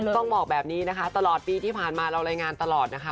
ต้องบอกแบบนี้นะคะตลอดปีที่ผ่านมาเรารายงานตลอดนะคะ